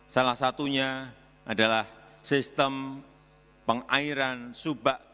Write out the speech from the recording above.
salah satunya adalah sistem pengairan subak